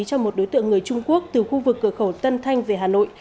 cho một đối tượng người trung quốc từ khu vực cửa khẩu tân thanh về hà nội